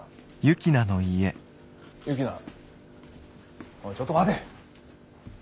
雪菜おいちょっと待て。